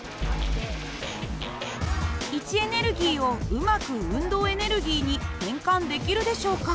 位置エネルギーをうまく運動エネルギーに変換できるでしょうか？